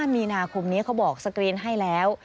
มีนาคมนี้เขาบอกสกรีนให้แล้ว